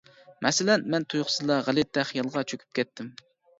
مەسىلەن، مەن تۇيۇقسىزلا غەلىتە خىيالغا چۆكۈپ كەتتىم.